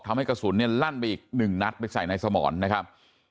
กระสุนเนี่ยลั่นไปอีกหนึ่งนัดไปใส่ในสมรนะครับ